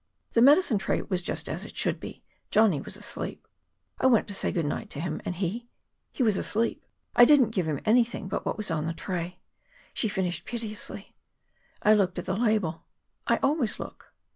The medicine tray was just as it should be. Johnny was asleep. I went to say good night to him and he he was asleep. I didn't give him anything but what was on the tray," she finished piteously. "I looked at the label; I always look."